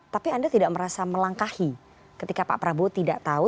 tapi anda tidak merasa melangkahi ketika pak prabowo tidak tahu